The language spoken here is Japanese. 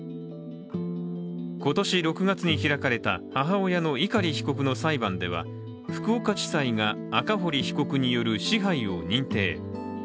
今年６月に開かれた母親の碇被告の裁判では福岡地裁が赤堀被告による支配を認定。